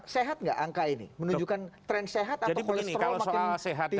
sehat nggak angka ini menunjukkan tren sehat atau kolesterol makin tinggi berpotensi stroke misalnya